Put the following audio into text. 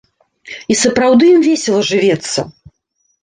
І сапраўды ім весела жывецца.